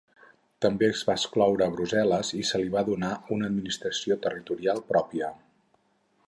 També es va excloure a Brussel·les i se li va donar una administració territorial pròpia.